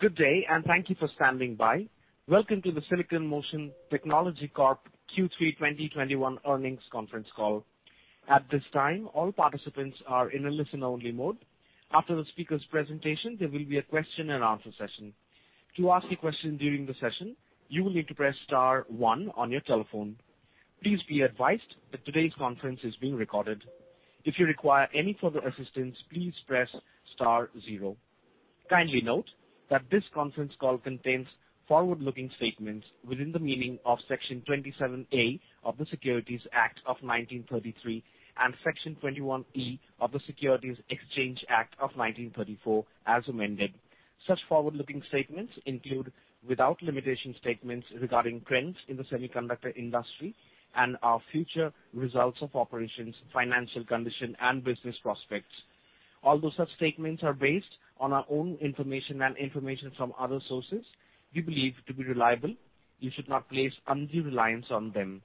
Good day, and thank you for standing by. Welcome to the Silicon Motion Technology Corporation Q3 2021 Earnings Conference Call. At this time, all participants are in a listen-only mode. After the speaker's presentation, there will be a question and answer session. To ask a question during the session, you will need to press star one on your telephone. Please be advised that today's conference is being recorded. If you require any further assistance, please press star zero. Kindly note that this conference call contains forward-looking statements within the meaning of Section 27A of the Securities Act of 1933 and Section 21E of the Securities Exchange Act of 1934 as amended. Such forward-looking statements include, without limitation, statements regarding trends in the semiconductor industry and our future results of operations, financial condition, and business prospects. Although such statements are based on our own information and information from other sources we believe to be reliable, you should not place undue reliance on them.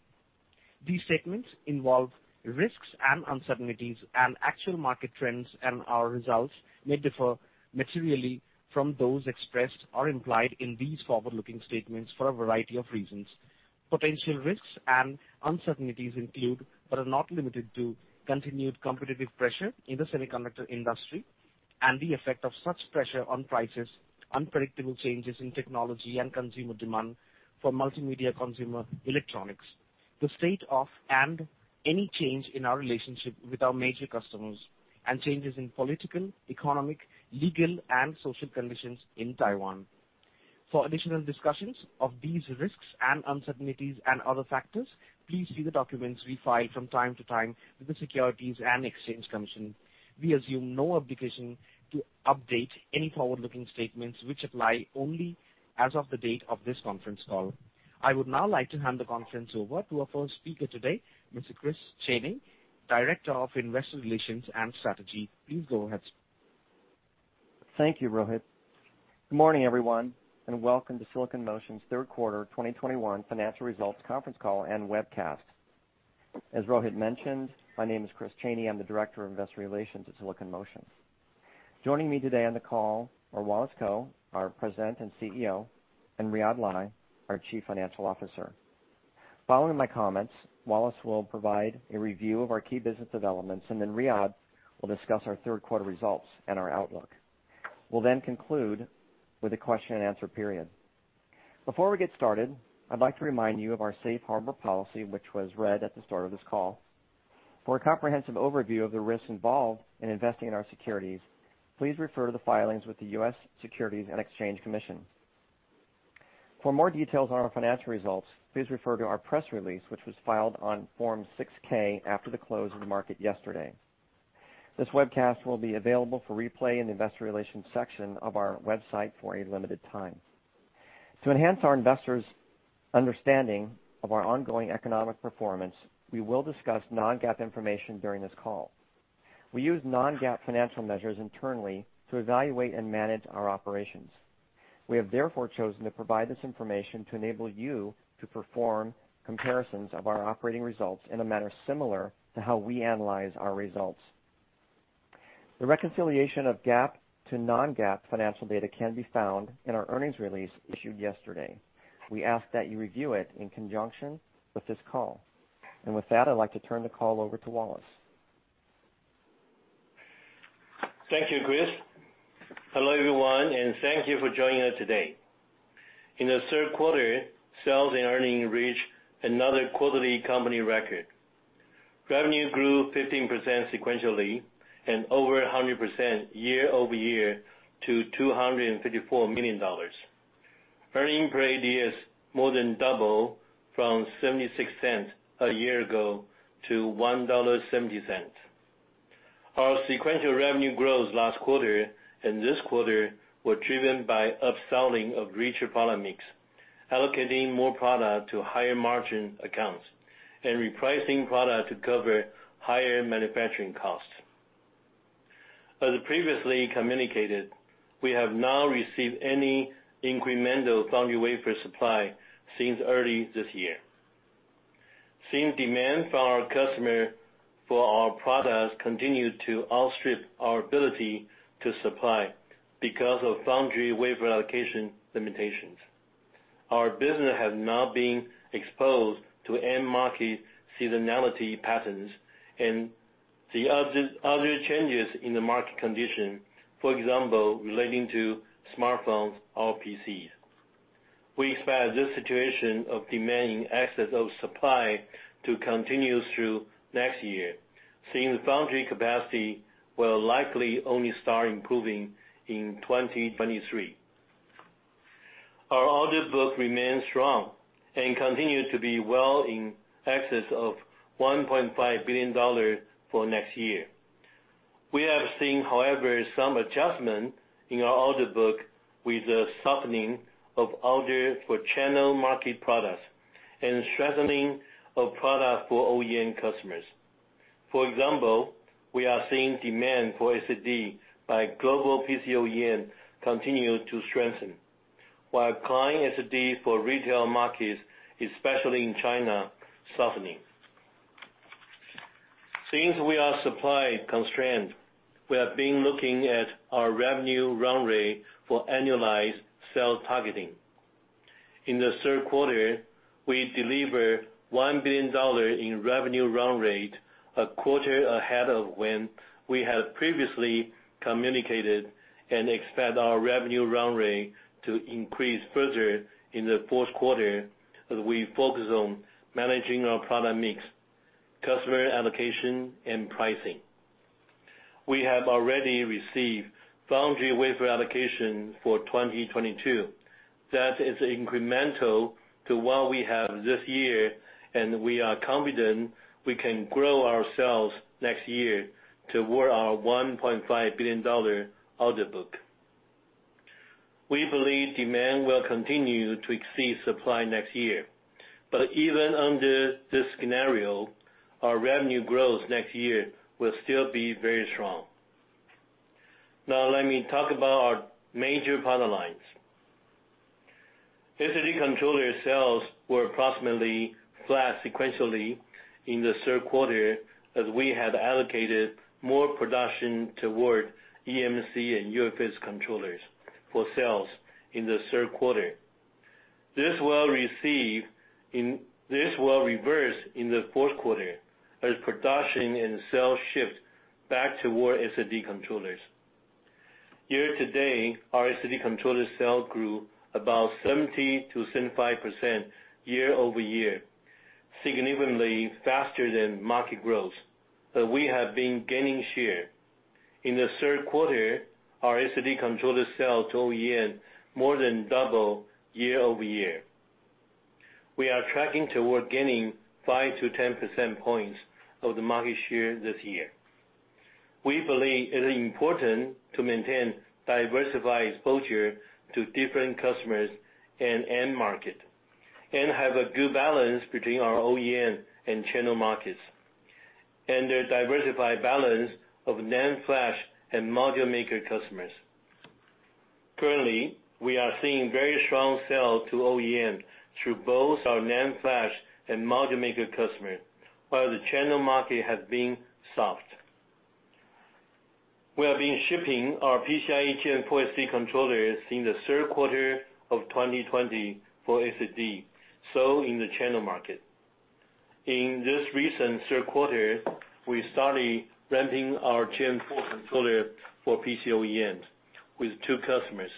These statements involve risks and uncertainties, and actual market trends and our results may differ materially from those expressed or implied in these forward-looking statements for a variety of reasons. Potential risks and uncertainties include, but are not limited to, continued competitive pressure in the semiconductor industry and the effect of such pressure on prices, unpredictable changes in technology and consumer demand for multimedia consumer electronics, the state of and any change in our relationship with our major customers, and changes in political, economic, legal, and social conditions in Taiwan. For additional discussions of these risks and uncertainties and other factors, please see the documents we file from time to time with the Securities and Exchange Commission. We assume no obligation to update any forward-looking statements which apply only as of the date of this conference call. I would now like to hand the conference over to our first speaker today, Mr. Chris Chaney, Director of Investor Relations & Strategy. Please go ahead, sir. Thank you, Rohit. Good morning, everyone, and welcome to Silicon Motion's Third Quarter 2021 Financial Results Conference Call and Webcast. As Rohit mentioned, my name is Chris Chaney. I'm the Director of Investor Relations at Silicon Motion. Joining me today on the call are Wallace Kou, our President and CEO, and Riyadh Lai, our Chief Financial Officer. Following my comments, Wallace will provide a review of our key business developments, and then Riyadh will discuss our third quarter results and our outlook. We'll then conclude with a question and answer period. Before we get started, I'd like to remind you of our safe harbor policy, which was read at the start of this call. For a comprehensive overview of the risks involved in investing in our securities, please refer to the filings with the U.S. Securities and Exchange Commission. For more details on our financial results, please refer to our press release, which was filed on Form 6-K after the close of the market yesterday. This webcast will be available for replay in the Investor Relations section of our website for a limited time. To enhance our investors' understanding of our ongoing economic performance, we will discuss non-GAAP information during this call. We use non-GAAP financial measures internally to evaluate and manage our operations. We have therefore chosen to provide this information to enable you to perform comparisons of our operating results in a manner similar to how we analyze our results. The reconciliation of GAAP to non-GAAP financial data can be found in our earnings release issued yesterday. We ask that you review it in conjunction with this call. With that, I'd like to turn the call over to Wallace. Thank you, Chris. Hello, everyone, and thank you for joining us today. In the third quarter, sales and earnings reached another quarterly company record. Revenue grew 15% sequentially, and over 100% year-over-year to $254 million. Earnings per ADS is more than double from $0.76 a year ago to $1.70. Our sequential revenue growth last quarter, and this quarter were driven by upselling of richer product mix, allocating more product to higher margin accounts, and repricing product to cover higher manufacturing costs. As previously communicated, we have not received any incremental foundry wafer supply since early this year. Seeing demand from our customers for our products continue to outstrip our ability to supply because of foundry wafer allocation limitations, our business has not been exposed to end market seasonality patterns and the other changes in the market condition, for example, relating to smartphones or PCs. We expect this situation of demand in excess of supply to continue through next year, seeing foundry capacity will likely only start improving in 2023. Our order book remains strong and continue to be well in excess of $1.5 billion for next year. We have seen, however, some adjustment in our order book with a softening of orders for channel market products and strengthening of products for OEM customers. For example, we are seeing demand for SSD by global PC OEM continue to strengthen, while client SSD for retail markets, especially in China, softening. Since we are supply constrained, we have been looking at our revenue run rate for annualized sale targeting. In the third quarter, we delivered $1 billion in revenue run rate a quarter ahead of when we had previously communicated and expand our revenue run rate to increase further in the fourth quarter as we focus on managing our product mix, customer allocation, and pricing. We have already received foundry wafer allocation for 2022 that is incremental to what we have this year, and we are confident we can grow our sales next year toward our $1.5 billion order book. We believe demand will continue to exceed supply next year. Even under this scenario, our revenue growth next year will still be very strong. Now let me talk about our major product lines. SSD controller sales were approximately flat sequentially in the third quarter as we had allocated more production toward eMMC and UFS controllers for sales in the third quarter. This will reverse in the fourth quarter as production and sales shift back toward SSD controllers. Year-to-date, our SSD controller sales grew about 70%-75% year-over-year, significantly faster than market growth, but we have been gaining share. In the third quarter, our SSD controller sales to OEM more than doubled year-over-year. We are tracking toward gaining 5-10 percentage points of the market share this year. We believe it is important to maintain diversified exposure to different customers and end market and have a good balance between our OEM and channel markets and a diversified balance of NAND flash and module maker customers. Currently, we are seeing very strong sales to OEM through both our NAND flash and module maker customer, while the channel market has been soft. We have been shipping our PCIe Gen4 SSD controllers in the third quarter of 2020 for SSD, so in the channel market. In this recent third quarter, we started ramping our Gen4 controller for PC OEMs with two customers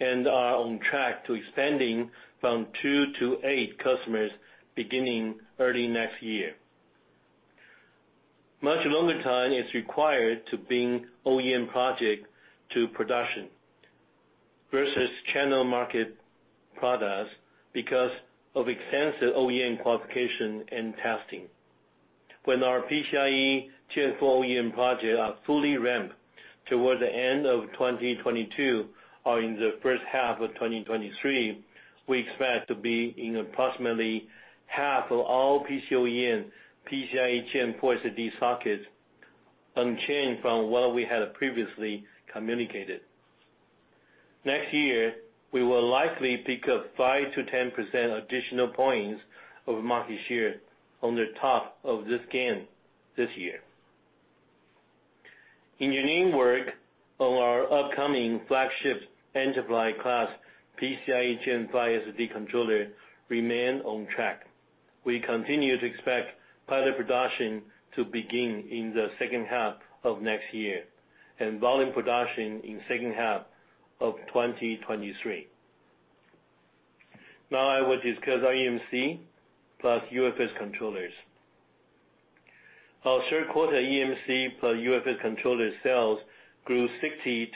and are on track to expanding from two to eight customers beginning early next year. Much longer time is required to bring OEM project to production versus channel market products because of extensive OEM qualification and testing. When our PCIe Gen4 OEM project are fully ramped toward the end of 2022, or in the first half of 2023, we expect to be in approximately half of all PC OEM PCIe Gen4 SSD sockets, unchanged from what we had previously communicated. Next year, we will likely pick up 5%-10% additional points of market share on the top of this gain this year. Engineering work on our upcoming flagship enterprise class PCIe Gen5 SSD controller remain on track. We continue to expect pilot production to begin in the second half of next year, and volume production in second half of 2023. Now I will discuss our eMMC plus UFS controllers. Our third quarter eMMC plus UFS controller sales grew 60%-65%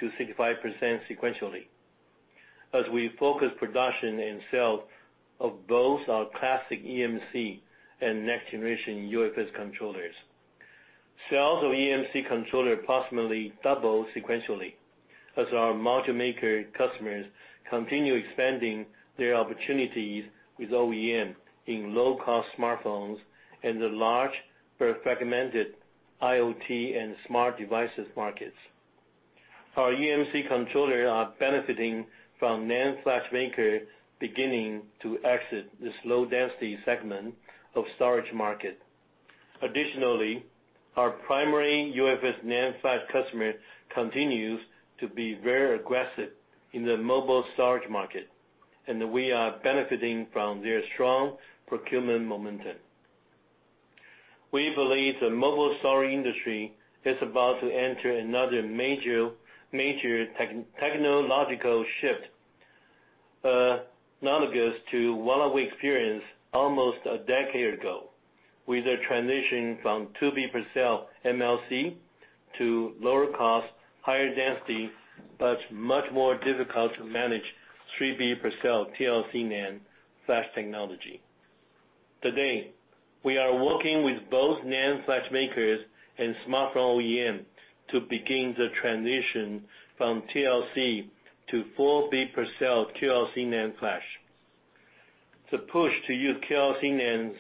sequentially as we focus production and sale of both our classic eMMC and next generation UFS controllers. Sales of eMMC controllers approximately double sequentially as our module maker customers continue expanding their opportunities with OEM in low-cost smartphones and the large but fragmented IoT and smart devices markets. Our eMMC controllers are benefiting from NAND flash makers beginning to exit this low-density segment of storage market. Additionally, our primary UFS NAND flash customer continues to be very aggressive in the mobile storage market, and we are benefiting from their strong procurement momentum. We believe the mobile storage industry is about to enter another major technological shift, analogous to what we experienced almost a decade ago with the transition from two-bit per cell MLC to lower cost, higher density, but much more difficult to manage three-bit per cell TLC NAND flash technology. Today, we are working with both NAND flash makers and smartphone OEM to begin the transition from TLC to four-bit per cell QLC NAND flash. The push to use QLC NANDs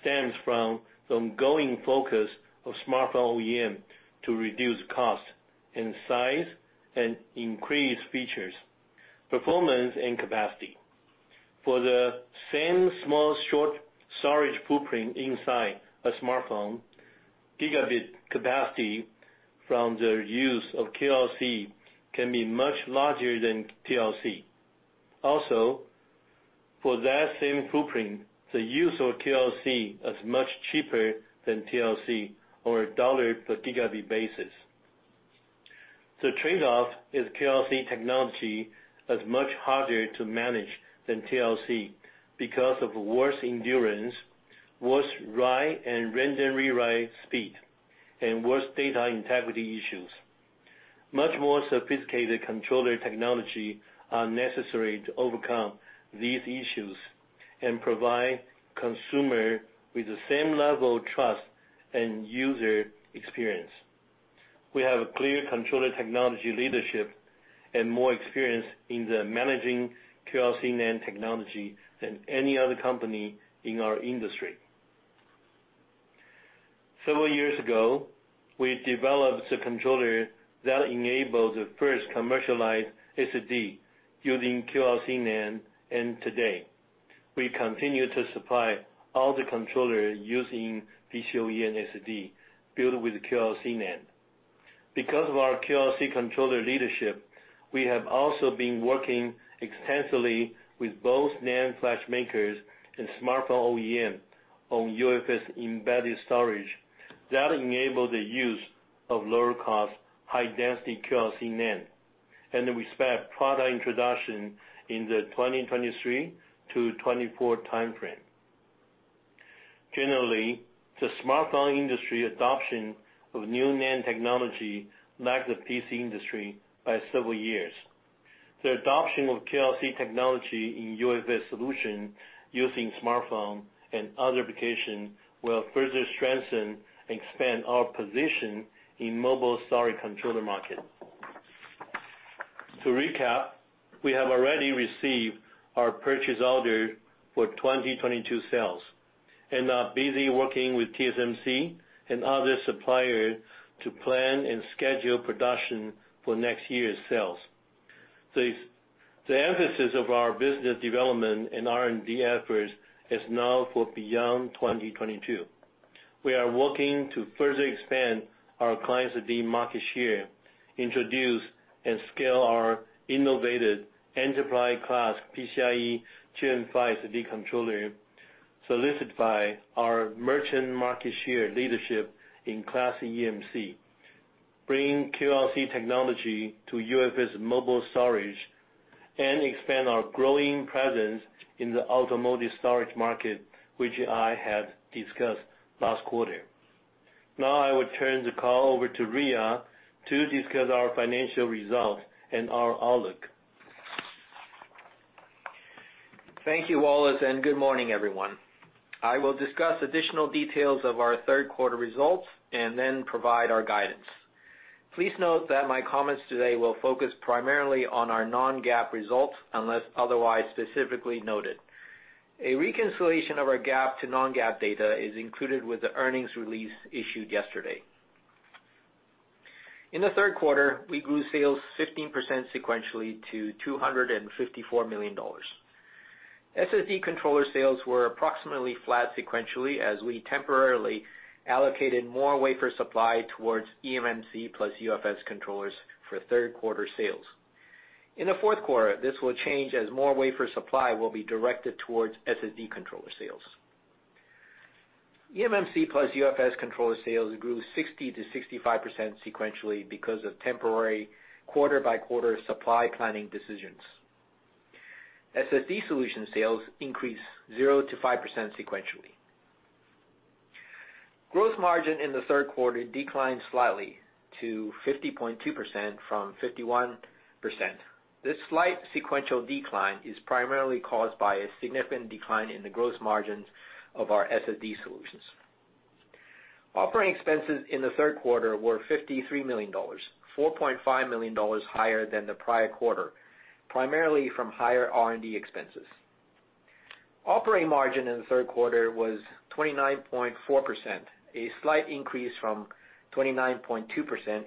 stems from the ongoing focus of smartphone OEM to reduce cost and size and increase features, performance, and capacity. For the same small short storage footprint inside a smartphone, gigabit capacity from the use of QLC can be much larger than TLC. Also, for that same footprint, the use of QLC is much cheaper than TLC on a dollar per gigabit basis. The trade-off is QLC technology is much harder to manage than TLC because of worse endurance, worse write and random rewrite speed, and worse data integrity issues. Much more sophisticated controller technology are necessary to overcome these issues and provide consumer with the same level of trust and user experience. We have a clear controller technology leadership and more experience in the managing QLC NAND technology than any other company in our industry. Several years ago, we developed a controller that enabled the first commercialized SSD using QLC NAND, and today we continue to supply all the controller using PCIe SSD built with QLC NAND. Because of our QLC controller leadership, we have also been working extensively with both NAND flash makers and smartphone OEM on UFS embedded storage that enable the use of lower cost, high-density QLC NAND, and we expect product introduction in the 2022-2024 timeframe. Generally, the smartphone industry adoption of new NAND technology lags the PC industry by several years. The adoption of QLC technology in UFS solution using smartphone and other application will further strengthen and expand our position in mobile storage controller market. To recap, we have already received our purchase order for 2022 sales and are busy working with TSMC and other supplier to plan and schedule production for next year's sales. The emphasis of our business development and R&D efforts is now for beyond 2022. We are working to further expand our client SSD market share, introduce and scale our innovative enterprise class PCIe Gen5 SSD controller solidified by our merchant market share leadership in eMMC, bringing QLC technology to UFS mobile storage and expand our growing presence in the automotive storage market, which I had discussed last quarter. Now I will turn the call over to Riyadh to discuss our financial results and our outlook. Thank you, Wallace, and good morning, everyone. I will discuss additional details of our third quarter results and then provide our guidance. Please note that my comments today will focus primarily on our non-GAAP results, unless otherwise specifically noted. A reconciliation of our GAAP to non-GAAP data is included with the earnings release issued yesterday. In the third quarter, we grew sales 15% sequentially to $254 million. SSD controller sales were approximately flat sequentially, as we temporarily allocated more wafer supply towards eMMC plus UFS controllers for third quarter sales. In the fourth quarter, this will change as more wafer supply will be directed towards SSD controller sales. eMMC plus UFS controller sales grew 60%-65% sequentially because of temporary quarter-by-quarter supply planning decisions. SSD solution sales increased 0%-5% sequentially. Gross margin in the third quarter declined slightly to 50.2% from 51%. This slight sequential decline is primarily caused by a significant decline in the gross margins of our SSD solutions. Operating expenses in the third quarter were $53 million, $4.5 million higher than the prior quarter, primarily from higher R&D expenses. Operating margin in the third quarter was 29.4%, a slight increase from 29.2%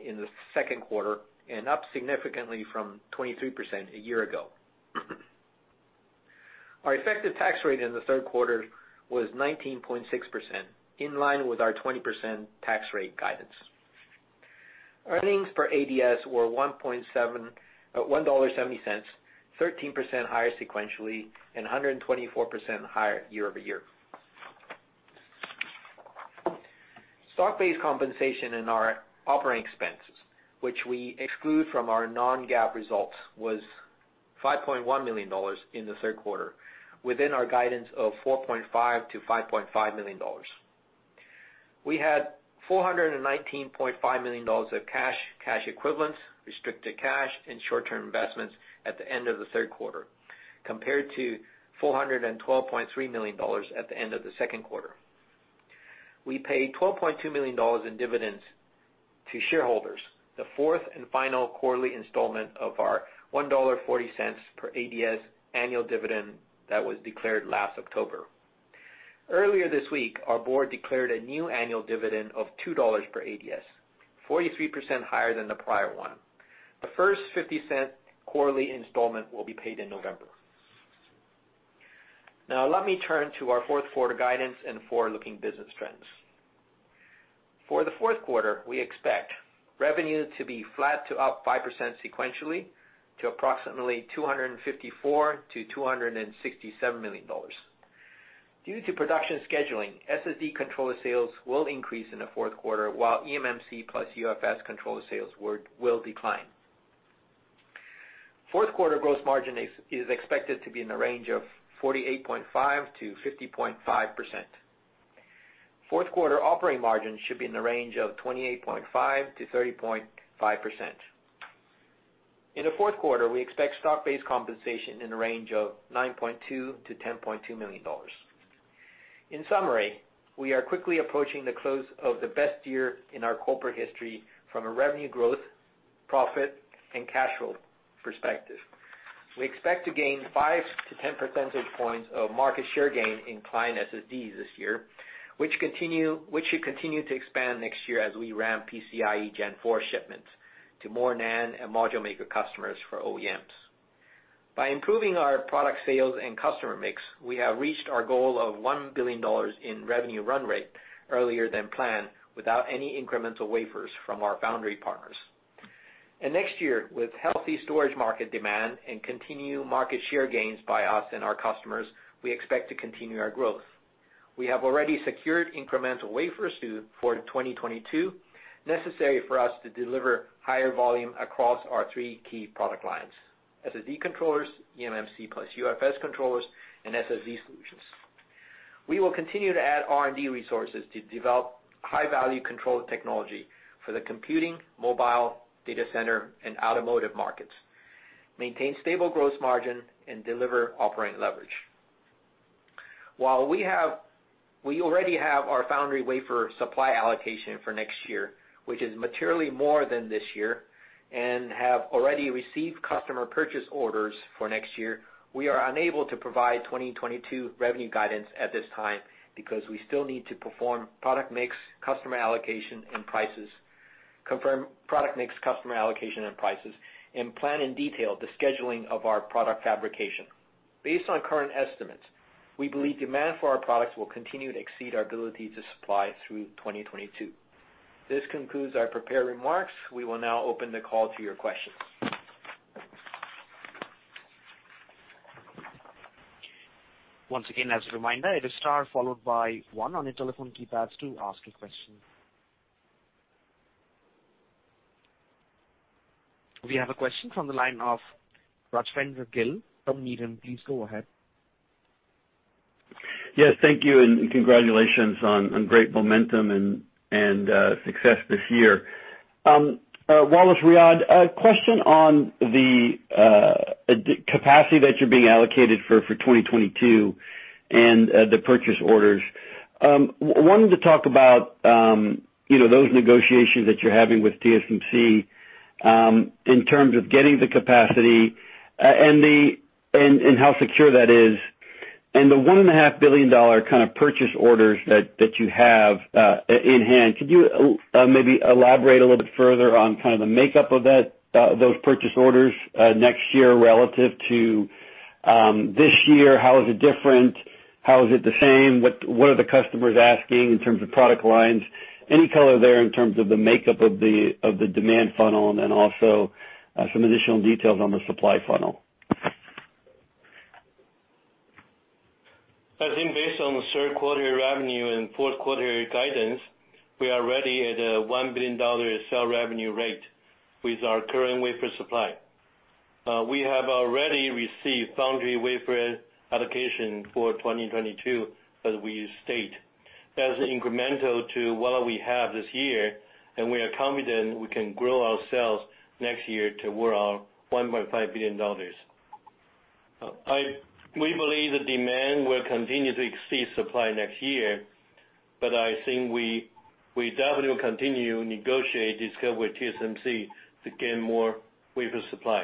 in the second quarter, and up significantly from 23% a year ago. Our effective tax rate in the third quarter was 19.6%, in line with our 20% tax rate guidance. Earnings per ADS were $1.70, 13% higher sequentially and 124% higher year over year. Stock-based compensation in our operating expenses, which we exclude from our non-GAAP results, was $5.1 million in the third quarter, within our guidance of $4.5 million-$5.5 million. We had $419.5 million of cash equivalents, restricted cash, and short-term investments at the end of the third quarter, compared to $412.3 million at the end of the second quarter. We paid $12.2 million in dividends to shareholders, the fourth and final quarterly installment of our $1.40 per ADS annual dividend that was declared last October. Earlier this week, our board declared a new annual dividend of $2 per ADS, 43% higher than the prior one. The first $0.50 quarterly installment will be paid in November. Now, let me turn to our fourth quarter guidance and forward-looking business trends. For the fourth quarter, we expect revenue to be flat to up 5% sequentially to approximately $254 million-$267 million. Due to production scheduling, SSD controller sales will increase in the fourth quarter, while eMMC plus UFS controller sales will decline. Fourth quarter gross margin is expected to be in the range of 48.5%-50.5%. Fourth quarter operating margin should be in the range of 28.5%-30.5%. In the fourth quarter, we expect stock-based compensation in the range of $9.2 million-$10.2 million. In summary, we are quickly approaching the close of the best year in our corporate history from a revenue growth, profit, and cash flow perspective. We expect to gain 5-10 percentage points of market share gain in client SSD this year, which should continue to expand next year as we ramp PCIe Gen4 shipments to more NAND and module maker customers for OEMs. By improving our product sales and customer mix, we have reached our goal of $1 billion in revenue run rate earlier than planned without any incremental wafers from our foundry partners. Next year, with healthy storage market demand and continued market share gains by us and our customers, we expect to continue our growth. We have already secured incremental wafers for 2022, necessary for us to deliver higher volume across our three key product lines, SSD controllers, eMMC plus UFS controllers, and SSD solutions. We will continue to add R&D resources to develop high-value controller technology for the computing, mobile, data center, and automotive markets, maintain stable growth margin, and deliver operating leverage. While we already have our foundry wafer supply allocation for next year, which is materially more than this year, and have already received customer purchase orders for next year, we are unable to provide 2022 revenue guidance at this time because we still need to confirm product mix, customer allocation, and prices, and plan in detail the scheduling of our product fabrication. Based on current estimates, we believe demand for our products will continue to exceed our ability to supply through 2022. This concludes our prepared remarks. We will now open the call to your questions. Once again, as a reminder, it is star followed by one on your telephone keypads to ask a question. We have a question from the line of Rajvindra Gill from Needham. Please go ahead. Yes, thank you, and congratulations on great momentum and success this year. Wallace Kou, Riyadh Lai, a question on the capacity that you're being allocated for 2022 and the purchase orders. Wanted to talk about, you know, those negotiations that you're having with TSMC in terms of getting the capacity and how secure that is. The $1.5 billion kind of purchase orders that you have in hand, could you maybe elaborate a little bit further on kind of the makeup of that, those purchase orders next year relative to this year? How is it different? How is it the same? What are the customers asking in terms of product lines? Any color there in terms of the makeup of the demand funnel, and then also some additional details on the supply funnel? I think based on the third quarter revenue and fourth quarter guidance, we are already at a $1 billion sales revenue rate with our current wafer supply. We have already received foundry wafer allocation for 2022, as we state. That's incremental to what we have this year, and we are confident we can grow our sales next year toward our $1.5 billion. We believe the demand will continue to exceed supply next year, but I think we definitely will continue to negotiate and discuss with TSMC to gain more wafer supply.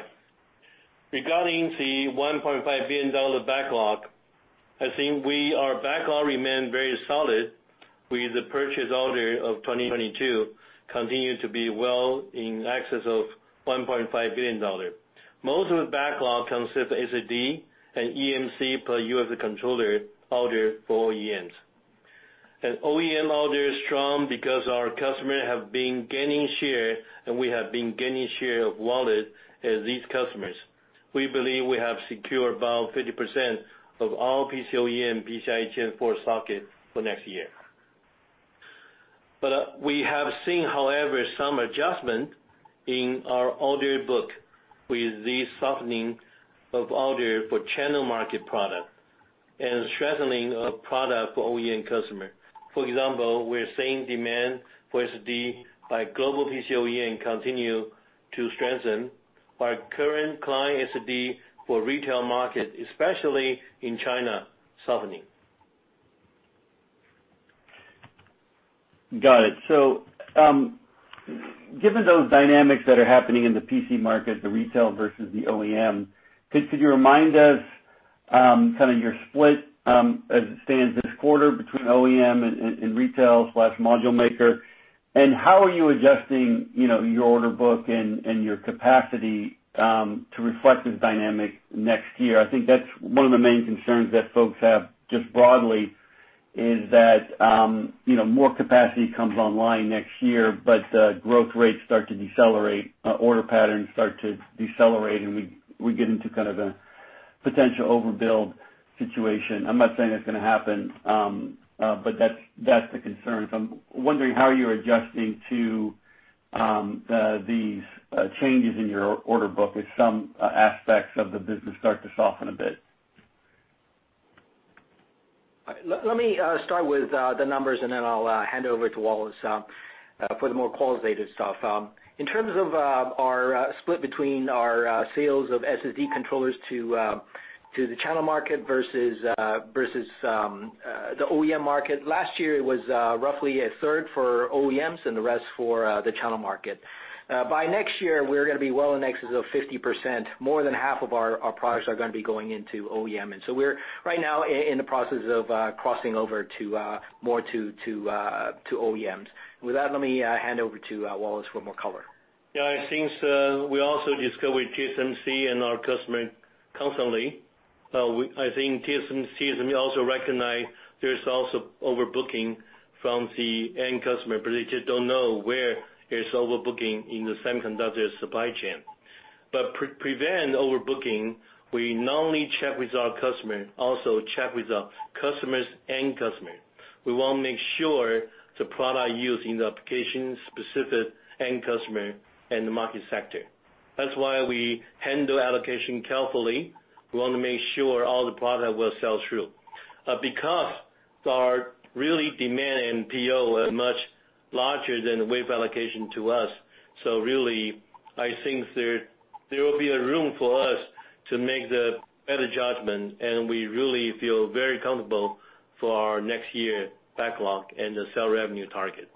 Regarding the $1.5 billion backlog, I think our backlog remains very solid with the purchase order of 2022 and continues to be well in excess of $1.5 billion. Most of the backlog comes from SSD and eMMC plus UFS controller orders for OEMs. OEM order is strong because our customers have been gaining share, and we have been gaining share of wallet as these customers. We believe we have secured about 50% of all PC OEM PCIe Gen4 socket for next year. We have seen, however, some adjustment in our order book with the softening of order for channel market product and strengthening of product for OEM customer. For example, we're seeing demand for SSD by global PC OEM continue to strengthen, while current client SSD for retail market, especially in China, softening. Got it. Given those dynamics that are happening in the PC market, the retail versus the OEM, could you remind us, kind of your split, as it stands this quarter between OEM and retail/module maker? How are you adjusting, you know, your order book and your capacity, to reflect this dynamic next year? I think that's one of the main concerns that folks have just broadly, is that, you know, more capacity comes online next year, but the growth rates start to decelerate, order patterns start to decelerate, and we get into kind of a potential overbuild situation. I'm not saying that's gonna happen. But that's the concern. I'm wondering how you're adjusting to these changes in your order book as some aspects of the business start to soften a bit? Let me start with the numbers, and then I'll hand over to Wallace for the more qualitative stuff. In terms of our split between our sales of SSD controllers to the channel market versus the OEM market. Last year it was roughly a third for OEMs and the rest for the channel market. By next year, we're gonna be well in excess of 50%. More than half of our products are gonna be going into OEM. We're right now in the process of crossing over to more to OEMs. With that, let me hand over to Wallace for more color. Yeah. I think we also discuss with TSMC and our customer constantly. I think TSMC has also recognize there's also overbooking from the end customer, but they just don't know where is overbooking in the semiconductor supply chain. To prevent overbooking, we not only check with our customer, also check with our customers' end customer. We want to make sure the product used in the application specific end customer and the market sector. That's why we handle allocation carefully. We want to make sure all the product will sell through. Because our real demand and PO are much larger than the wafer allocation to us, so really, I think there will be a room for us to make the better judgment, and we really feel very comfortable for our next year backlog and the sales revenue target.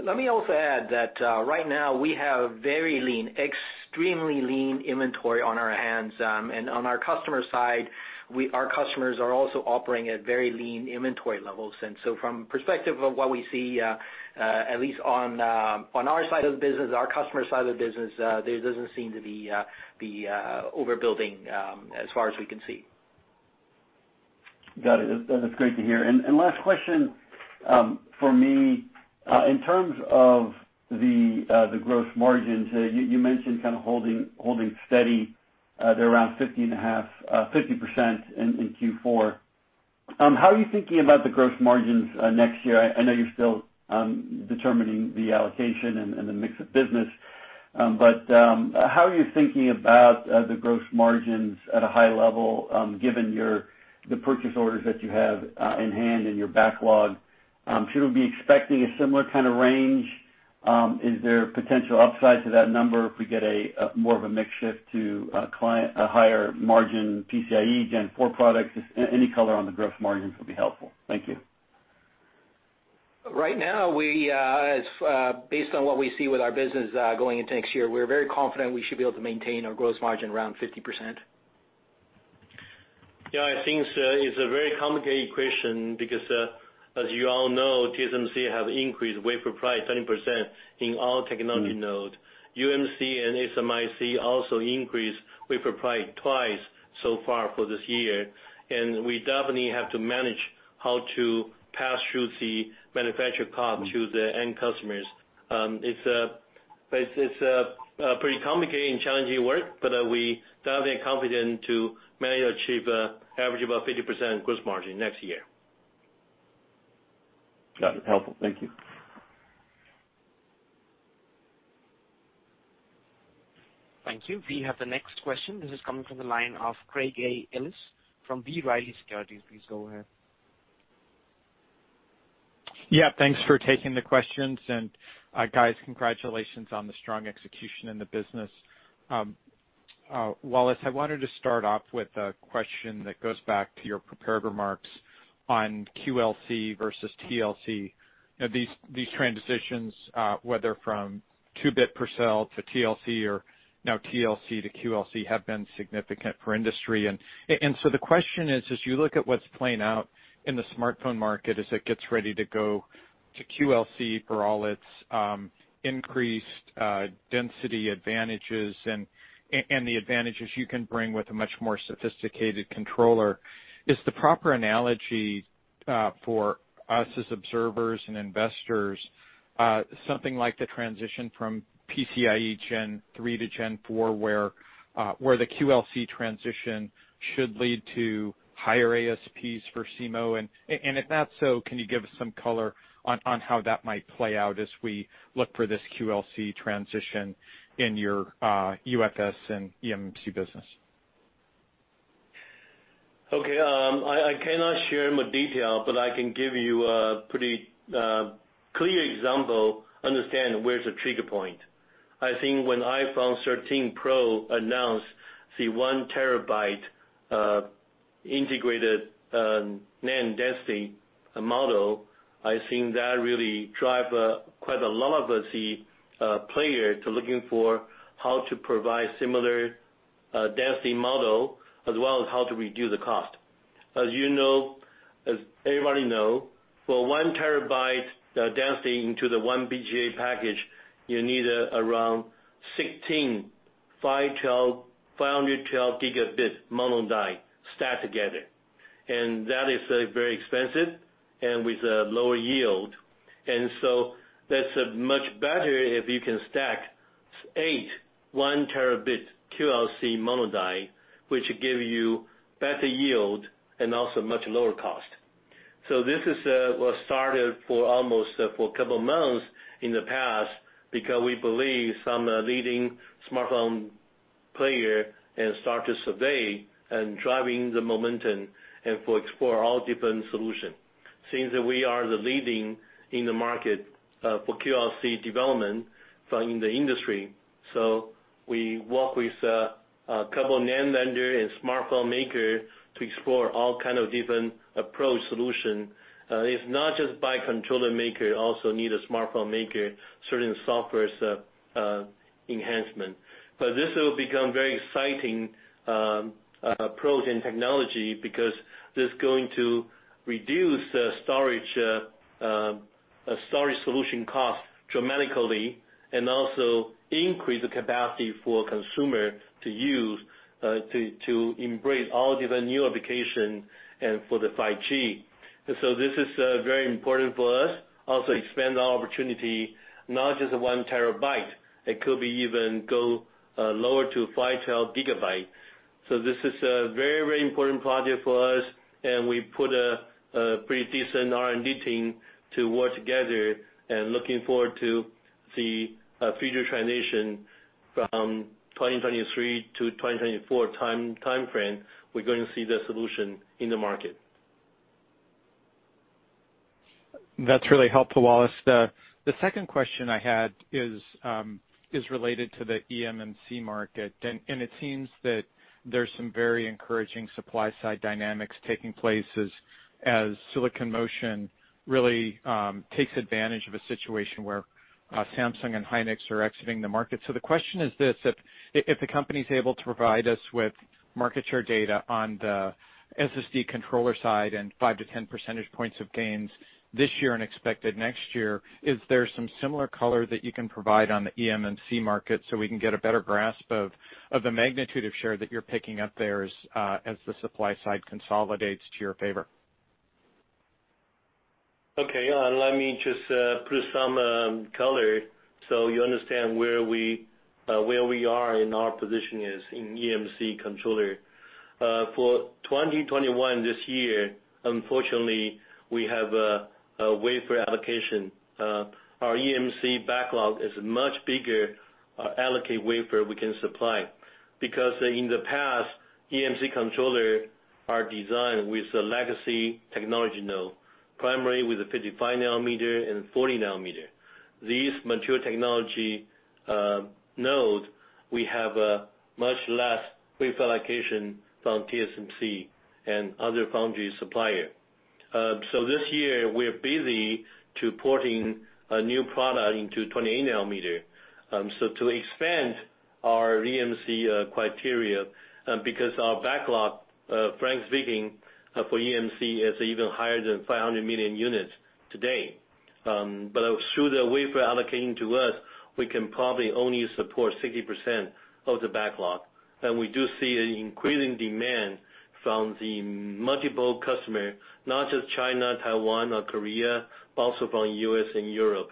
Let me also add that right now we have very lean, extremely lean inventory on our hands. On our customer side, our customers are also operating at very lean inventory levels. From perspective of what we see, at least on our side of the business, our customer side of the business, there doesn't seem to be overbuilding as far as we can see. Got it. That's great to hear. Last question for me in terms of the gross margins. You mentioned kind of holding steady. They're around 50% in Q4. How are you thinking about the gross margins next year? I know you're still determining the allocation and the mix of business. How are you thinking about the gross margins at a high level given the purchase orders that you have in hand and your backlog? Should we be expecting a similar kind of range? Is there potential upside to that number if we get more of a mix shift to a client higher margin PCIe Gen4 products? Just any color on the gross margins would be helpful. Thank you. Right now, we, based on what we see with our business, going into next year, we're very confident we should be able to maintain our gross margin around 50%. Yeah. I think it's a very complicated equation because as you all know, TSMC have increased wafer price 30% in all technology node. UMC and SMIC also increased wafer price twice so far for this year. We definitely have to manage how to pass through the manufacturing cost to the end customers. It's a pretty complicated and challenging work, but we definitely are confident to manage to achieve average about 50% gross margin next year. Got it. Helpful. Thank you. Thank you. We have the next question. This is coming from the line of Craig A. Ellis from B. Riley Securities. Please go ahead. Yeah, thanks for taking the questions. Guys, congratulations on the strong execution in the business. Wallace, I wanted to start off with a question that goes back to your prepared remarks on QLC versus TLC. You know, these transitions, whether from two-bit per cell to TLC or now TLC to QLC, have been significant for industry. So the question is: As you look at what's playing out in the smartphone market as it gets ready to go to QLC for all its increased density advantages and the advantages you can bring with a much more sophisticated controller, is the proper analogy for us as observers and investors something like the transition from PCIe Gen3 to Gen4, where the QLC transition should lead to higher ASPs for SIMO? If not so, can you give us some color on how that might play out as we look for this QLC transition in your UFS and eMMC business? Okay. I cannot share more detail, but I can give you a pretty clear example to understand where the trigger point is. I think when iPhone 13 Pro announced the 1 terabyte integrated NAND density model, I think that really drove quite a lot of the players to looking for how to provide similar density model as well as how to reduce the cost. As you know, as everybody knows, for 1 TB density into the one BGA package, you need around 16 512 GB mono die stacked together. And that is very expensive and with a lower yield. That's much better if you can stack eight 1 TB QLC mono die, which gives you better yield and also much lower cost. This is what started almost a couple months in the past because we believe some leading smartphone player start to survey and driving the momentum and for explore all different solution. Since we are the leading in the market for QLC development from the industry, so we work with a couple NAND vendor and smartphone maker to explore all kind of different approach solution. It's not just by controller maker, also need a smartphone maker, certain software enhancement. This will become very exciting approach in technology because that's going to reduce storage solution cost dramatically and also increase the capacity for consumer to use to embrace all different new application and for the 5G. This is very important for us. Also expand our opportunity, not just the 1 TB, it could even go lower to 512 GB. This is a very, very important project for us and we put a pretty decent R&D team to work together and looking forward to the future transition from 2023 to 2024 timeframe, we're going to see the solution in the market. That's really helpful, Wallace. The second question I had is related to the eMMC market. It seems that there's some very encouraging supply side dynamics taking place as Silicon Motion really takes advantage of a situation where Samsung and SK Hynix are exiting the market. The question is this: If the company's able to provide us with market share data on the SSD controller side and 5-10 percentage points of gains this year and expected next year, is there some similar color that you can provide on the eMMC market so we can get a better grasp of the magnitude of share that you're picking up there as the supply side consolidates to your favor? Okay. Let me just put some color so you understand where we are and our position is in eMMC controller. For 2021 this year, unfortunately, we have a wafer allocation. Our eMMC backlog is much bigger than the allocated wafer we can supply. Because in the past, eMMC controller are designed with a legacy technology node, primarily with a 55 nm and 40 nm. These mature technology node, we have a much less wafer allocation from TSMC and other foundry supplier. This year, we're busy porting a new product into 28 nm, so to expand our eMMC capacity, because our backlog, frankly speaking, for eMMC is even higher than 500 million units today. But through the wafer allocation to us, we can probably only support 60% of the backlog. We do see an increasing demand from the multiple customer, not just China, Taiwan or Korea, but also from U.S. and Europe.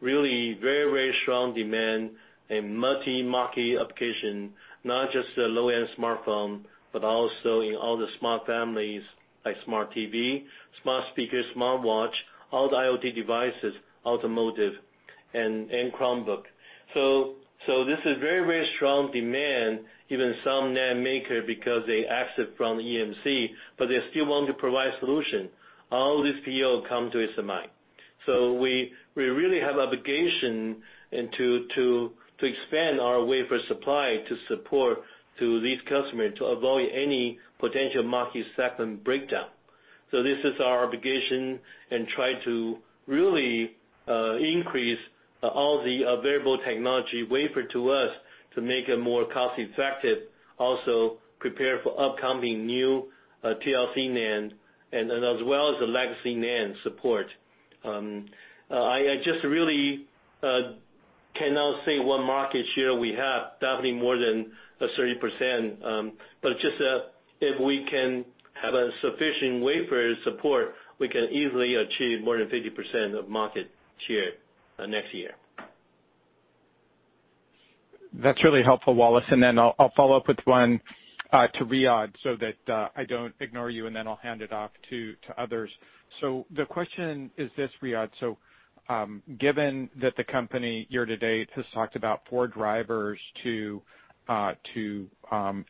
Really very, very strong demand in multi-market application, not just the low-end smartphone, but also in all the smart families, like smart TV, smart speaker, smart watch, all the IoT devices, automotive and Chromebook. This is very, very strong demand, even some NAND maker because they exit from eMMC, but they still want to provide solution. All this PO come to SMI. We really have obligation and to expand our wafer supply to support to these customers to avoid any potential market segment breakdown. This is our obligation and try to really increase all the available technology wafer to us to make it more cost effective, also prepare for upcoming new TLC NAND and as well as the legacy NAND support. I just really cannot say what market share we have, definitely more than 30%, but just if we can have a sufficient wafer support, we can easily achieve more than 50% of market share next year. That's really helpful, Wallace. Then I'll follow up with one to Riyadh so that I don't ignore you, and then I'll hand it off to others. The question is this, Riyadh. Given that the company year-to-date has talked about four drivers to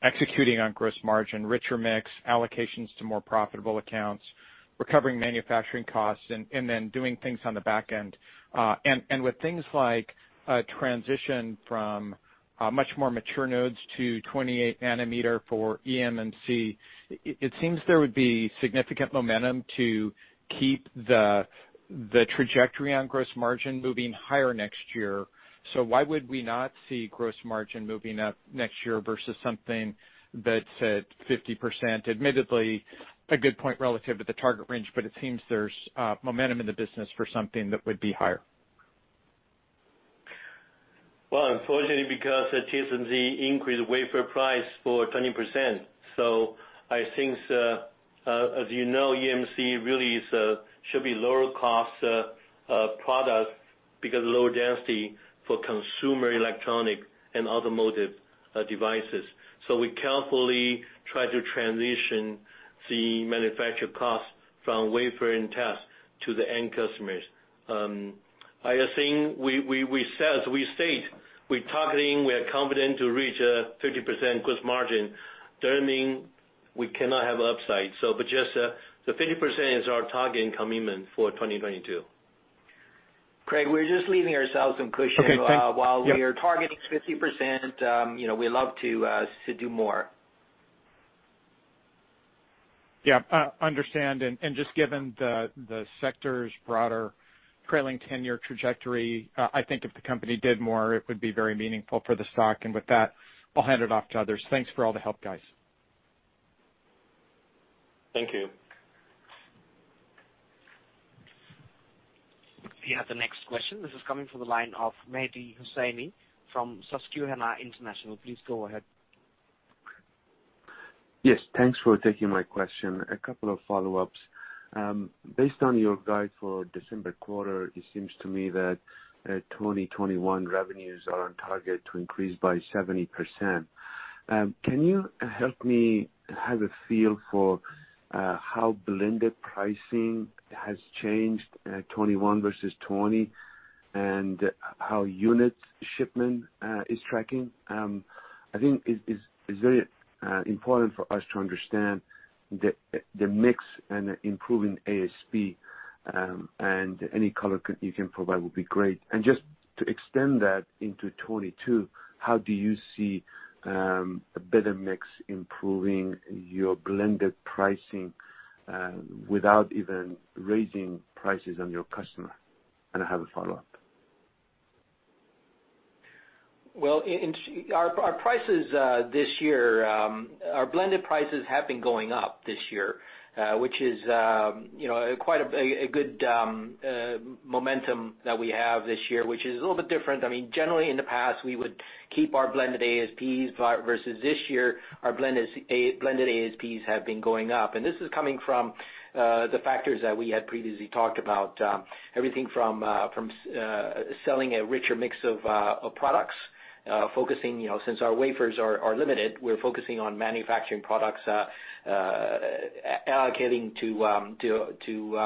executing on gross margin, richer mix, allocations to more profitable accounts, recovering manufacturing costs, and then doing things on the back end. With things like a transition from a much more mature nodes to 28-nm for eMMC, it seems there would be significant momentum to keep the trajectory on gross margin moving higher next year. Why would we not see gross margin moving up next year versus something that's at 50%, admittedly, a good point relative to the target range, but it seems there's momentum in the business for something that would be higher. Well, unfortunately, because TSMC increased wafer price by 20%. I think, as you know, eMMC should be lower cost product because low density for consumer electronics and automotive devices. We carefully try to transition the manufacturing cost from wafer and test to the end customers. I think we said we state we're targeting. We are confident to reach a 30% gross margin. We cannot have upside. Just the 50% is our target commitment for 2022. Craig, we're just leaving ourselves some cushion. Okay. While we are targeting 50%, you know, we love to do more. Yeah, I understand. Just given the sector's broader trailing 10 year trajectory, I think if the company did more, it would be very meaningful for the stock. With that, I'll hand it off to others. Thanks for all the help, guys. Thank you. We have the next question. This is coming from the line of Mehdi Hosseini from Susquehanna International. Please go ahead. Yes, thanks for taking my question. A couple of follow-ups. Based on your guide for December quarter, it seems to me that 2021 revenues are on target to increase by 70%. Can you help me have a feel for how blended pricing has changed 2021 versus 2020, and how units shipment is tracking? I think it's very important for us to understand the mix and improving ASP, and any color you can provide would be great. Just to extend that into 2022, how do you see a better mix improving your blended pricing without even raising prices on your customer? I have a follow-up. Our prices this year, our blended prices have been going up this year, which is, you know, quite a good momentum that we have this year, which is a little bit different. I mean, generally in the past, we would keep our blended ASPs, but versus this year, our blended ASPs have been going up. This is coming from the factors that we had previously talked about, everything from selling a richer mix of products, focusing, you know, since our wafers are limited, we're focusing on manufacturing products, allocating to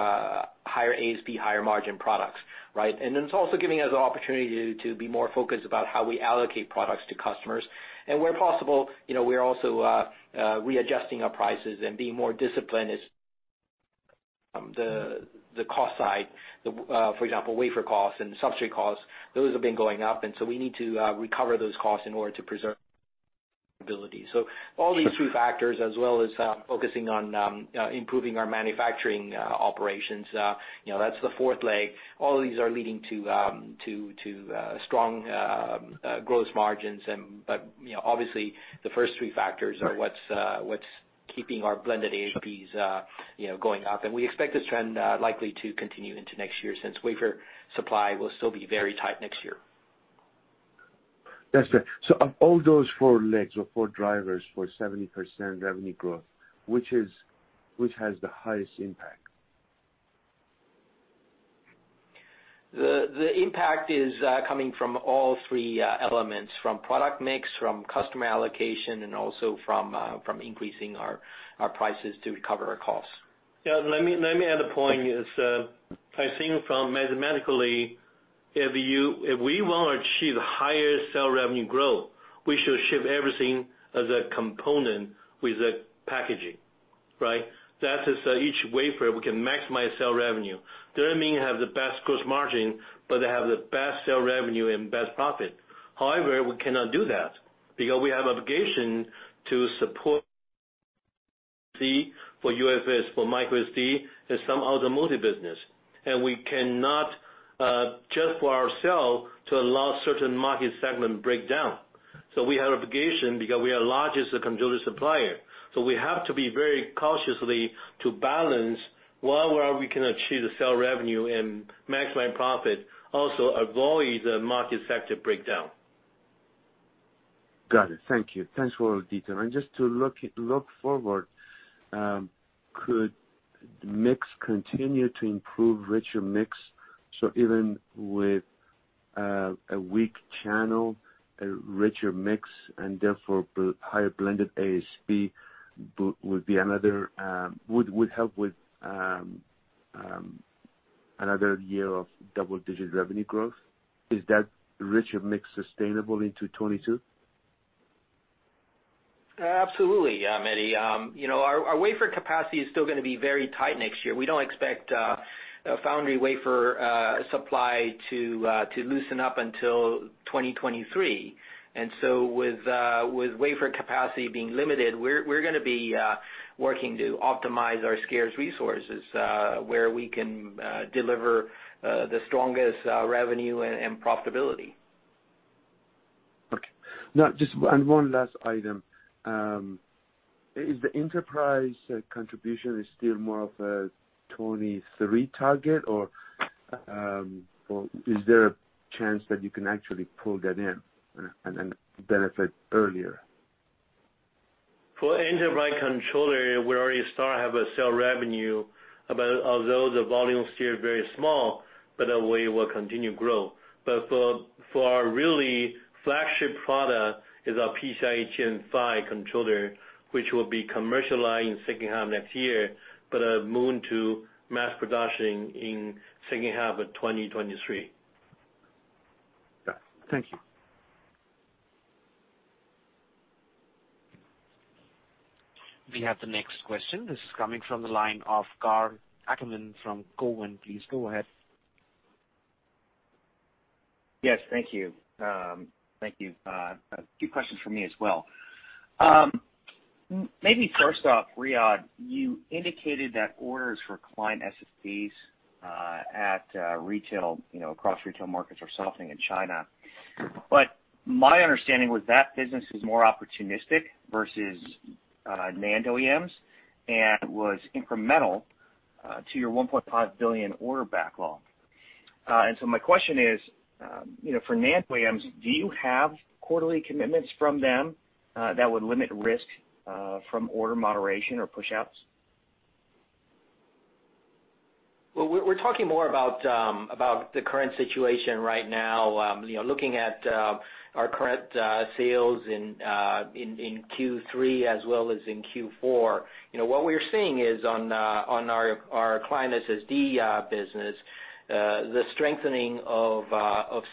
higher ASP, higher margin products, right? It's also giving us an opportunity to be more focused about how we allocate products to customers. Where possible, you know, we are also readjusting our prices and being more disciplined on the cost side. For example, wafer costs and substrate costs, those have been going up, and so we need to recover those costs in order to preservability. All these two factors, as well as focusing on improving our manufacturing operations, you know, that's the fourth leg. All of these are leading to strong gross margins. You know, obviously, the first three factors are what's keeping our blended ASPs going up. We expect this trend likely to continue into next year since wafer supply will still be very tight next year. That's right. Of all those four legs or four drivers for 70% revenue growth, which has the highest impact? The impact is coming from all three elements, from product mix, from customer allocation, and also from increasing our prices to recover our costs. Yeah, let me add a point. I think from mathematically, if we want to achieve higher sales revenue growth, we should ship everything as a component with the packaging, right? That is, each wafer we can maximize sales revenue. Doesn't mean have the best gross margin, but they have the best sales revenue and best profit. However, we cannot do that because we have obligation to support eMMC for UFS, for microSD, and some other multi-business. We cannot just for ourselves to allow certain market segment breakdown. We have obligation because we are largest controller supplier. We have to be very cautious to balance while we can achieve the sales revenue and maximize profit, also avoid the market sector breakdown. Got it. Thank you. Thanks for all the detail. Just to look forward, could mix continue to improve richer mix? Even with a weak channel, a richer mix and therefore higher blended ASP would be another, would help with another year of double-digit revenue growth. Is that richer mix sustainable into 2022? Absolutely, Mehdi. You know, our wafer capacity is still gonna be very tight next year. We don't expect a foundry wafer supply to loosen up until 2023. With wafer capacity being limited, we're gonna be working to optimize our scarce resources where we can deliver the strongest revenue and profitability. Okay. Now just one, and one last item. Is the enterprise contribution still more of a 2023 target or is there a chance that you can actually pull that in and benefit earlier? For enterprise controller, we already start have a sale revenue about although the volume is still very small, but we will continue grow. For our really flagship product is our PCIe Gen5 controller, which will be commercialized in second half next year, but move into mass production in second half of 2023. Got it. Thank you. We have the next question. This is coming from the line of Karl Ackerman from Cowen. Please go ahead. Yes, thank you. A few questions from me as well. Maybe first off, Riyadh, you indicated that orders for client SSDs at retail, you know, across retail markets are softening in China. My understanding was that business is more opportunistic versus NAND OEMs, and was incremental to your $1.5 billion order backlog. My question is, you know, for NAND OEMs, do you have quarterly commitments from them that would limit risk from order moderation or pushouts? Well, we're talking more about the current situation right now, you know, looking at our current sales in Q3 as well as in Q4. You know, what we're seeing is on our client SSD business, the strengthening of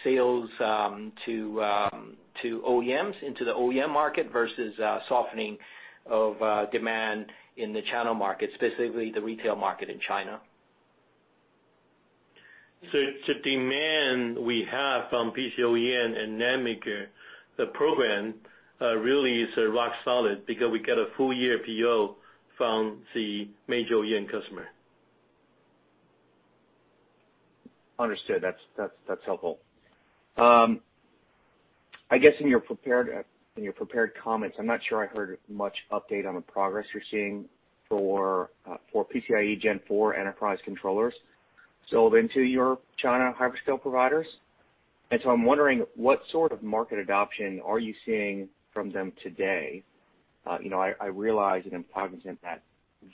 sales to OEMs into the OEM market versus softening of demand in the channel market, specifically the retail market in China. The demand we have from PC OEM and NAND maker, the program, really is rock solid because we get a full year PO from the major OEM customer. Understood. That's helpful. I guess in your prepared comments, I'm not sure I heard much update on the progress you're seeing for PCIe Gen4 enterprise controllers sold into your China hyperscale providers. I'm wondering what sort of market adoption are you seeing from them today? You know, I realize and cognizant that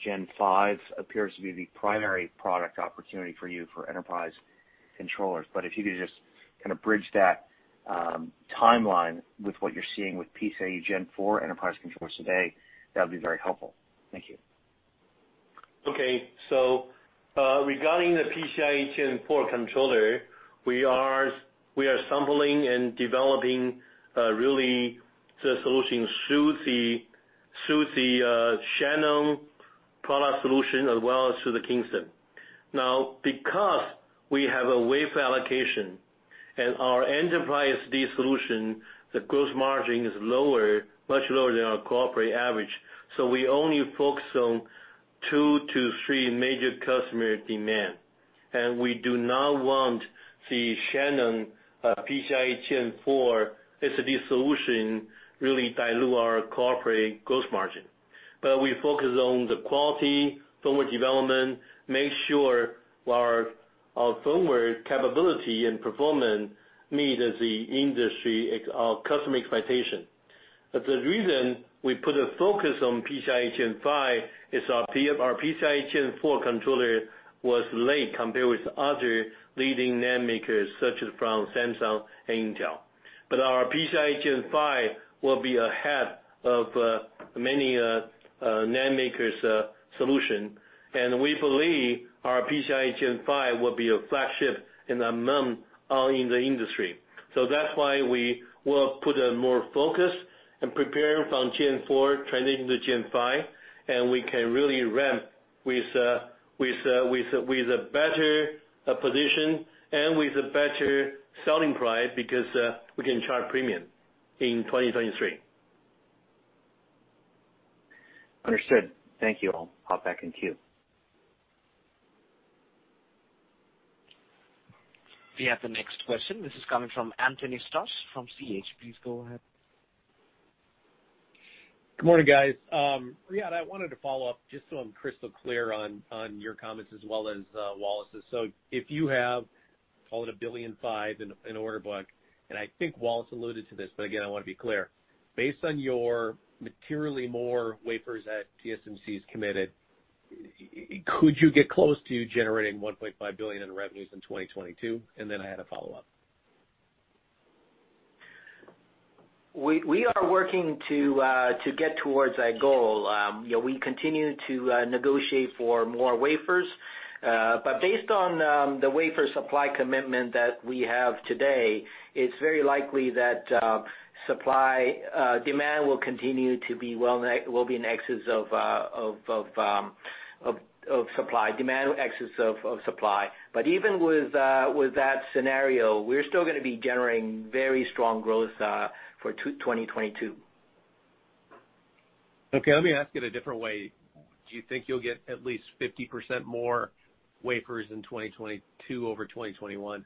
Gen5 appears to be the primary product opportunity for you for enterprise controllers. If you could just kinda bridge that timeline with what you're seeing with PCIe Gen4 enterprise controllers today, that would be very helpful. Thank you. Okay. Regarding the PCIe Gen4 controller, we are sampling and developing really the solution through the Shannon product solution as well as through the Kingston. Now, because we have a wafer allocation and our enterprise SSD solution, the gross margin is lower, much lower than our corporate average. We only focus on two to three major customer demand. We do not want the Shannon PCIe Gen4 SSD solution really dilute our corporate gross margin. We focus on the quality, firmware development, make sure our firmware capability and performance meet the industry or customer expectation. The reason we put a focus on PCIe Gen5 is our PF, our PCIe Gen4 controller was late compared with other leading NAND makers, such as from Samsung and Intel. Our PCIe Gen5 will be ahead of many NAND makers' solution. We believe our PCIe Gen5 will be a flagship and among in the industry. That's why we will put a more focus and prepare from Gen4 trending to Gen5, and we can really ramp with a better position and with a better selling price because we can charge premium in 2023. Understood. Thank you. I'll hop back in queue. We have the next question. This is coming from Anthony Stoss from Craig-Hallum. Please go ahead. Good morning, guys. Yeah, I wanted to follow up just so I'm crystal clear on your comments as well as Wallace's. If you have, call it $1.05 billion in order book, and I think Wallace alluded to this, but again, I wanna be clear. Based on your materially more wafers that TSMC's committed, could you get close to generating $1.5 billion in revenues in 2022? I had a follow-up. We are working to get towards that goal. You know, we continue to negotiate for more wafers. Based on the wafer supply commitment that we have today, it's very likely that demand will continue to be well in excess of supply. Even with that scenario, we're still gonna be generating very strong growth for 2022. Okay, let me ask it a different way. Do you think you'll get at least 50% more wafers in 2022 over 2021?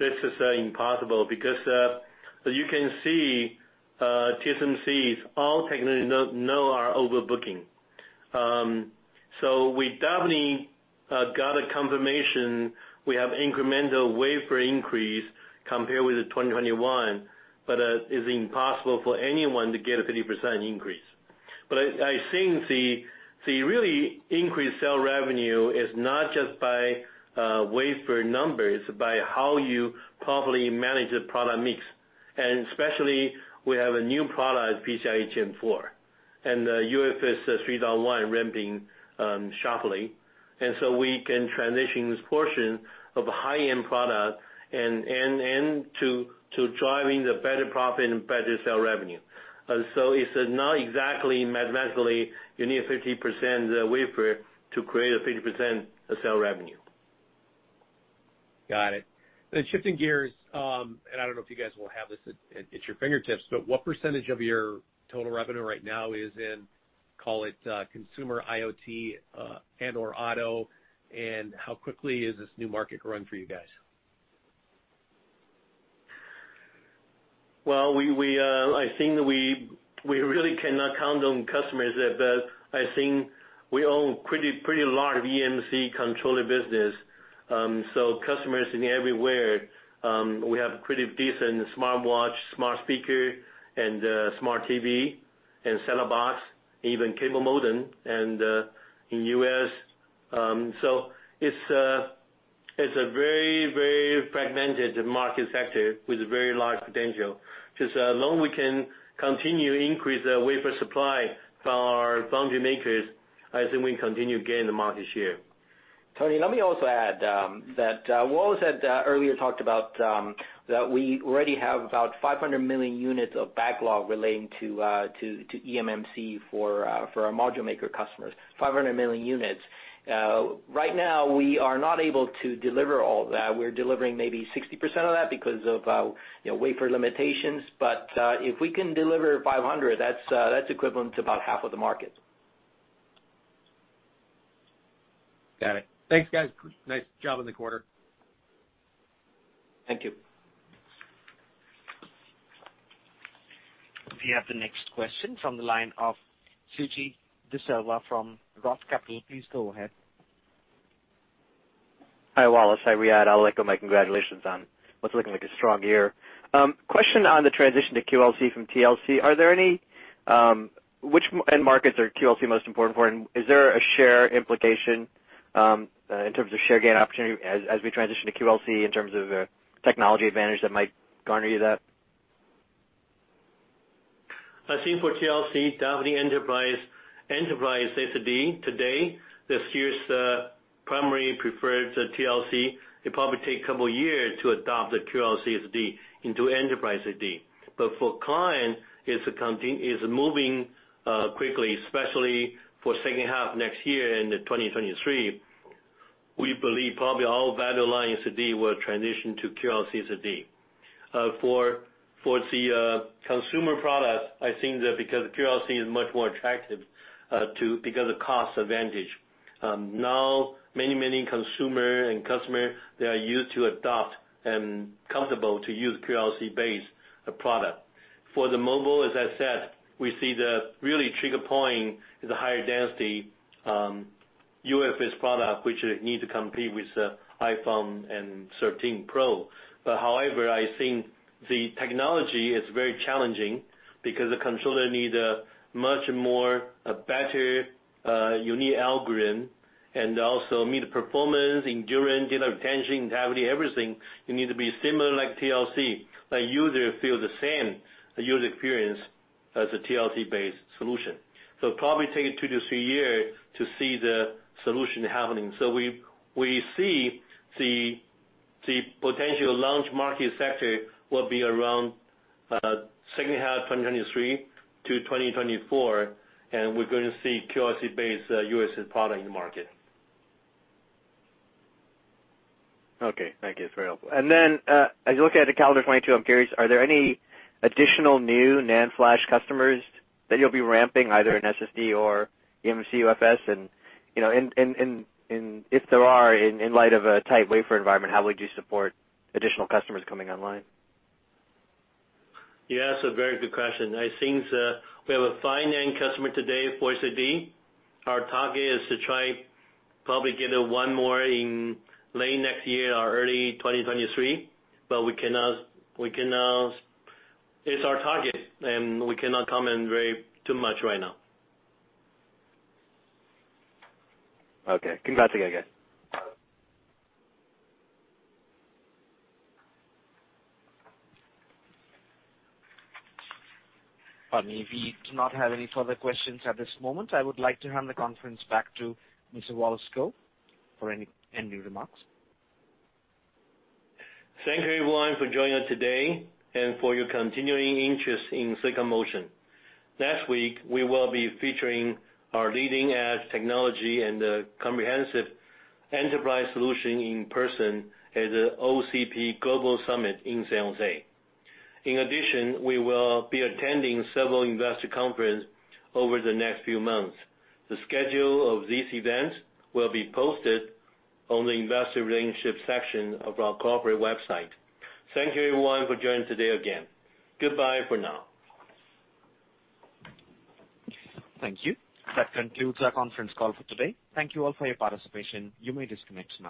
This is impossible because as you can see TSMC's advanced technology nodes are overbooked. We definitely got a confirmation we have incremental wafer increase compared with 2021, but it's impossible for anyone to get a 50% increase. I think the real increase in sales revenue is not just by wafer numbers, by how you properly manage the product mix. Especially we have a new product, PCIe Gen4, and UFS3.1 ramping sharply. We can transition this portion of high-end product and to driving the better profit and better sales revenue. It's not exactly mathematically you need a 50% wafer to create a 50% sales revenue. Got it. Shifting gears, and I don't know if you guys will have this at your fingertips, but what percentage of your total revenue right now is in, call it, consumer IoT, and/or auto, and how quickly is this new market growing for you guys? Well, I think we really cannot count on customers that, but I think we own pretty large eMMC controller business. Customers everywhere, we have pretty decent smartwatch, smart speaker, and smart TV, and set-top box, even cable modem and in U.S. It's a very fragmented market sector with very large potential. Just as long as we can continue to increase the wafer supply from our foundry makers, I think we continue to gain the market share. Tony, let me also add that Wallace had earlier talked about that we already have about 500 million units of backlog relating to eMMC for our module maker customers. 500 million units. Right now we are not able to deliver all that. We're delivering maybe 60% of that because of you know, wafer limitations. If we can deliver 500, that's equivalent to about half of the market. Got it. Thanks, guys. Nice job in the quarter. Thank you. We have the next question from the line of Suji Desilva from Roth Capital. Please go ahead. Hi, Wallace Kou. Hi, Riyadh Lai. I'll echo my congratulations on what's looking like a strong year. Question on the transition to QLC from TLC. Which end markets are QLC most important for? Is there a share implication in terms of share gain opportunity as we transition to QLC in terms of technology advantage that might garner you that? I think for TLC, definitely enterprise SSD today, this year's primary preferred TLC. It probably take a couple years to adopt the QLC SSD into enterprise SSD. For client, it's moving quickly, especially for second half next year into 2023. We believe probably all value line SSD will transition to QLC SSD. For the consumer products, I think that because QLC is much more attractive because the cost advantage. Now many consumer and customer, they are used to adopt and comfortable to use QLC-based product. For the mobile, as I said, we see the really trigger point is the higher density UFS product, which need to compete with iPhone 13 Pro. However, I think the technology is very challenging because the controller need a much more, a better, unique algorithm and also meet performance, endurance, data retention, integrity, everything. It need to be similar like TLC, the user feel the same user experience as a TLC-based solution. It probably take two to three year to see the solution happening. We see the potential launch market sector will be around second half 2023 to 2024, and we're gonna see QLC-based UFS's product in the market. Okay. Thank you. It's very helpful. As you look ahead to calendar 2022, I'm curious, are there any additional new NAND flash customers that you'll be ramping either in SSD or eMMC/UFS? And if there are, in light of a tight wafer environment, how would you support additional customers coming online? Yeah, that's a very good question. I think we have a five NAND customer today for SSD. Our target is to try probably get one more in late next year or early 2023, but we cannot. It's our target, and we cannot comment very too much right now. Okay. Congrats again, guys. Pardon me. We do not have any further questions at this moment. I would like to hand the conference back to Mr. Wallace Kou for any ending remarks. Thank you everyone for joining us today and for your continuing interest in Silicon Motion. Next week, we will be featuring our leading-edge technology and comprehensive enterprise solution in person at OCP Global Summit in San Jose. In addition, we will be attending several investor conferences over the next few months. The schedule of these events will be posted on the investor relations section of our corporate website. Thank you everyone for joining today again. Goodbye for now. Thank you. That concludes our conference call for today. Thank you all for your participation. You may disconnect your lines.